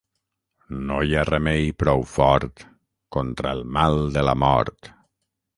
No hi ha remei prou fort contra el mal de la mort.